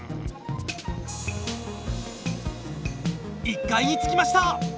１階に着きました。